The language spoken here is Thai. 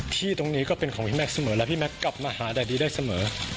ที่ตรงนี้ก็เป็นของพี่แม็กซเสมอแล้วพี่แม็กซ์กลับมาหาดาดีได้เสมอ